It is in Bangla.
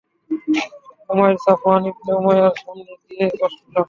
উমাইর সাফওয়ান ইবনে উমাইয়ার সামনে গিয়ে বসল।